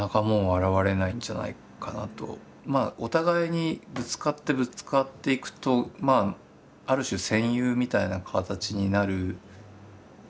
まあお互いにぶつかってぶつかっていくとある種戦友みたいな形になるようなことが。